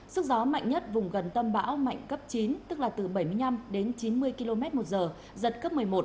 sức gió mạnh nhất vùng gần tâm bão mạnh cấp chín tức là từ bảy mươi năm đến chín mươi km một giờ giật cấp một mươi một